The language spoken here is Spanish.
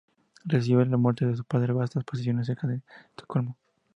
Recibió a la muerte de su padre vastas posesiones cerca de Estocolmo.